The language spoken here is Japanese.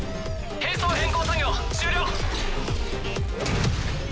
兵装変更作業終了。